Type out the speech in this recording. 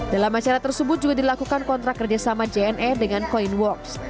dalam acara tersebut juga dilakukan kontrak kerjasama jna dengan coinworks